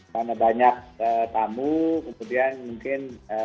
karena banyak tamu kemudian mungkin